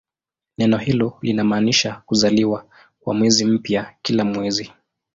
Neno hilo linamaanisha "kuzaliwa" kwa mwezi mpya kila mwezi.